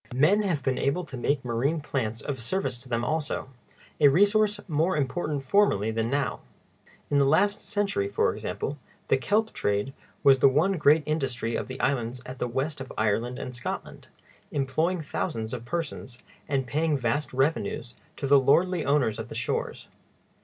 Men have been able to make marine plants of service to them also—a resource more important formerly than now. In the last century, for example, the kelp trade was the one great industry of the islands at the west of Ireland and Scotland, employing thousands of persons, and paying vast revenues to the lordly owners of the shores.